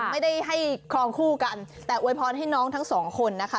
ไม่ได้ของคู่กันแต่โวยพรให้น้องทั้ง๒คนนะคะ